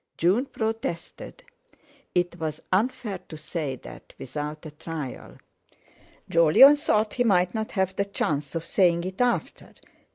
June protested. It was unfair to say that without a trial. Jolyon thought he might not have the chance, of saying it after.